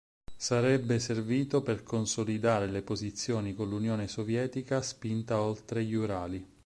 Sarebbe servito per consolidare le posizioni con l'Unione Sovietica spinta oltre gli Urali.